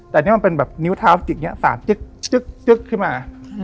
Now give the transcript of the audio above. แต่นี่มันเป็นแบบนิ้วเท้าจิกอย่างนี้สาดจึ๊กขึ้นมา